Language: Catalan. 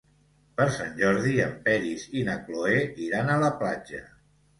Per Sant Jordi en Peris i na Cloè iran a la platja.